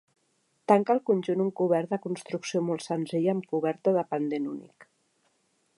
Tanca el conjunt un cobert de construcció molt senzilla amb coberta de pendent únic.